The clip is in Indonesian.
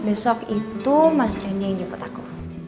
besok itu mas reny yang jemput aku